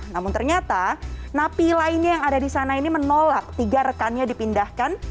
namun ternyata napi lainnya yang ada di sana ini menolak tiga rekannya dipindahkan